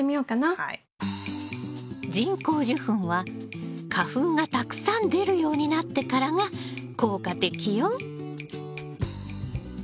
人工授粉は花粉がたくさん出るようになってからが効果的よ。